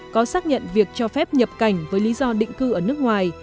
có xác nhận việc cho phép nhập cảnh với lý do định cư ở nước ngoài